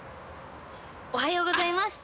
おはようございます。